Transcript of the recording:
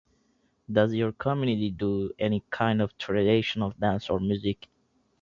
Does your community do any kind of traditional dance or music?